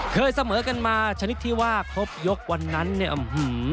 เสมอกันมาชนิดที่ว่าครบยกวันนั้นเนี่ยอื้อหือ